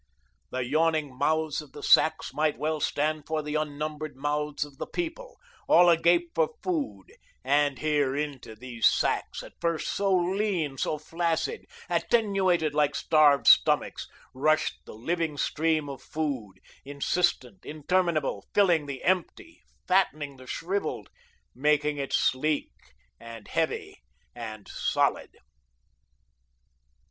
The yawning mouths of the sacks might well stand for the unnumbered mouths of the People, all agape for food; and here, into these sacks, at first so lean, so flaccid, attenuated like starved stomachs, rushed the living stream of food, insistent, interminable, filling the empty, fattening the shrivelled, making it sleek and heavy and solid.